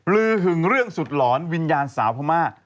ลือหึงเรื่องสุดหลอนวิญญาณสาวพม่า